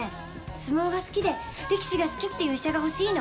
相撲が好きで力士が好きっていう医者が欲しいの。